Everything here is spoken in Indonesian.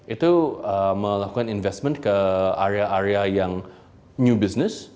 itu melakukan investment ke area area yang new business